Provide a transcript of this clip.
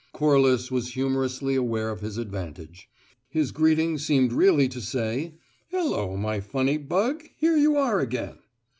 Corliss was humorously aware of his advantage: his greeting seemed really to say, "Hello, my funny bug, here you are again!"